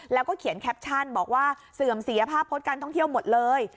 แล้วก็เขียนแคปชั่นบอกว่าเสื่อมเสียภาพพจน์การท่องเที่ยวหมดเลย